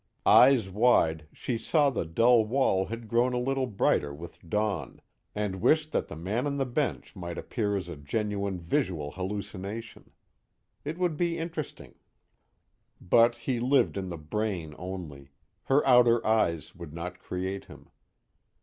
_ Eyes wide, she saw the dull wall had grown a little brighter with dawn, and wished that the man on the bench might appear as a genuine visual hallucination: it would be interesting. But he lived in the brain only; her outer eyes would not create him.